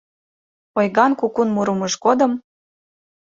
Ойган кукун мурымыж годым